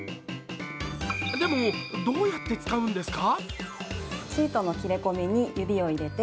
でも、どうやって使うんですか？